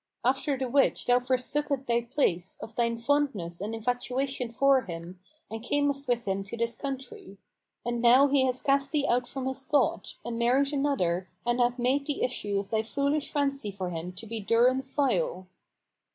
After the which thou forsookest thy place, of thine fondness and infatuation for him, and camest with him to this country. And now he hath cast thee out from his thought and married another and hath made the issue of thy foolish fancy for him to be durance vile."